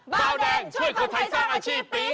เบาแดงช่วยคนไทยสร้างอาชีพปี๒